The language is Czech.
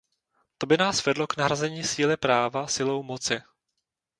To by nás vedlo k nahrazení síly práva silou moci.